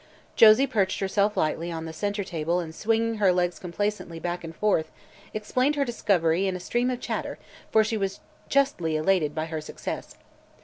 Josie perched herself lightly on the center table and swinging her legs complacently back and forth explained her discovery in a stream of chatter, for she was justly elated by her success.